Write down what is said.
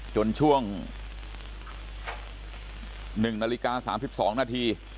ช่วง๑นาฬิกา๓๒นาที